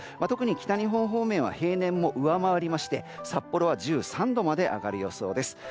特に北日本方面は平年を上回りまして札幌は１３度まで上がる予想です。